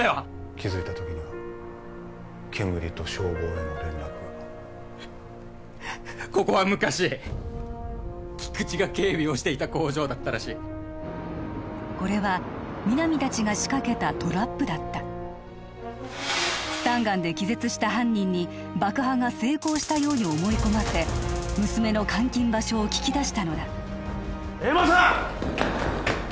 気づいた時には煙と消防への連絡がここは昔菊知が警備をしていた工場だったらしいこれは皆実達が仕掛けたトラップだったスタンガンで気絶した犯人に爆破が成功したように思い込ませ娘の監禁場所を聞き出したのだ恵茉さん！